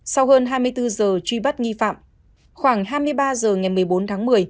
sau hơn hai mươi bốn giờ truy bắt nghi phạm khoảng hai mươi ba h ngày một mươi bốn tháng một mươi